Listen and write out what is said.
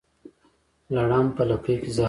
لړم په لکۍ کې زهر لري